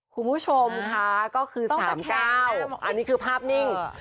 คุณผู้ชมค่ะก็คือ๓๙อันนี้คือภาพนิ่ง